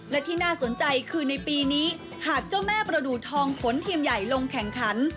และที่น่าสนใจคือในปีนี้หากเจ้าแม่ประดูทองขนทีมใหญ่ลงแข่งขัน